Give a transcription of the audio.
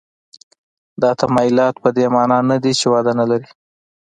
دا تمایلات په دې معنا نه دي چې وده نه لري.